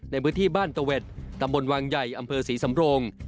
ในพื้นที่บ้านตะเว็ดตำบลวังใหญ่อำเภอศรีสำโรง